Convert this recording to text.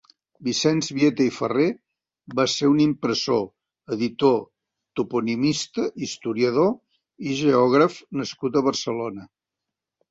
Vicenç Biete i Farré va ser un impressor, editor, toponimista, historiador i geògraf nascut a Barcelona.